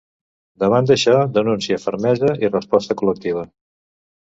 Davant això, denúncia, fermesa i resposta col·lectiva.